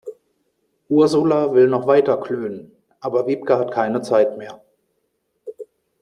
Ursula will noch weiter klönen, aber Wiebke hat keine Zeit mehr.